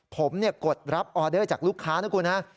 ผมกดรับออเดอร์จากลูกค้านะคุณฮะ